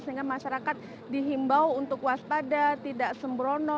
sehingga masyarakat dihimbau untuk waspada tidak sembrono